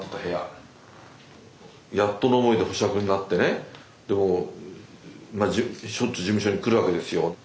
やっとの思いで保釈になってねでもうしょちゅう事務所に来るわけですよ。